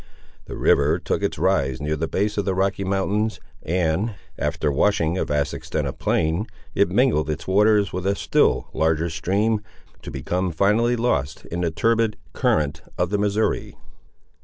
The river took its rise near the base of the Rocky Mountains, and, after washing a vast extent of plain, it mingled its waters with a still larger stream, to become finally lost in the turbid current of the Missouri.